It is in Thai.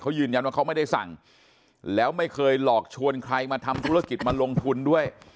เขายืนยันว่าเขาไม่ได้สั่งแล้วไม่เคยหลอกชวนใครมาทำธุรกิจมาลงทุนด้วย